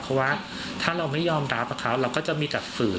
เพราะว่าถ้าเราไม่ยอมรับกับเขาเราก็จะมีแต่ฝืน